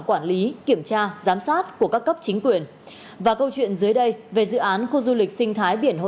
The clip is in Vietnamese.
xin chào và hẹn gặp lại